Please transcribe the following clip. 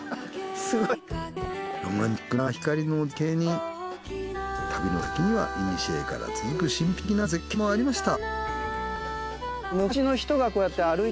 ロマンチックな光の絶景に旅の先にはいにしえから続く神秘的な絶景もありました。